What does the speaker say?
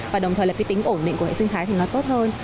và đồng thời là cái tính ổn định của hệ sinh thái thì nó tốt hơn